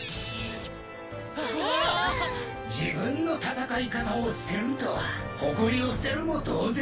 自分の戦い方を捨てるとは誇りを捨てるも同然。